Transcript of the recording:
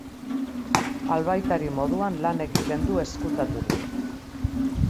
Albaitari moduan lan egiten du ezkutaturik.